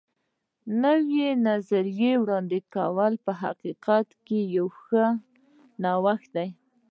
د یوې نوې نظریې وړاندې کول په حقیقت کې یو ښه نوښت دی.